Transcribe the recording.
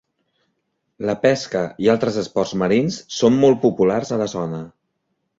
La pesca i altres esports marins són molt populars a la zona.